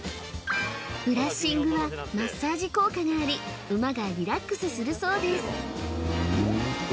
ブラッシングはマッサージ効果があり馬がリラックスするそうです